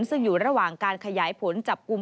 ซึ่งอยู่ระหว่างการขยายผลจับกลุ่ม